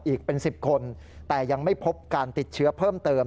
อีกเป็น๑๐คนแต่ยังไม่พบการติดเชื้อเพิ่มเติม